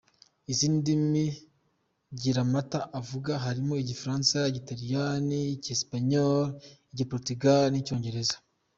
Izindi ndimi Giramata avuga harimo Igifaransa, Igitaliyani, Icyesipanyoro, Igi- Portuguese n’Icyongereza.